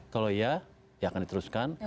kalau iya ya akan diteruskan